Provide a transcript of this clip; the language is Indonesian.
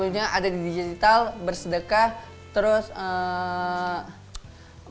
dulu nya ada di digital bersedekah terus ee